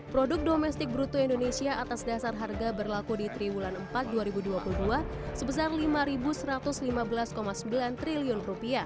produk domestik bruto indonesia atas dasar harga berlaku di triwulan empat dua ribu dua puluh dua sebesar rp lima satu ratus lima belas sembilan triliun